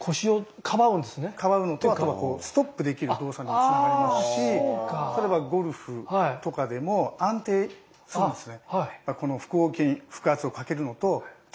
かばうのとあとはストップできる動作につながりますし例えばゴルフとかでも安定するんですね。